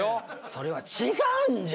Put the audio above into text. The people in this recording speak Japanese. それは違うんじゃ。